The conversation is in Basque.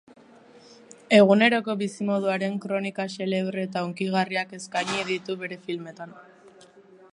Eguneroko bizimoduaren kronika xelebre eta hunkigarriak eskaini ditu bere filmetan.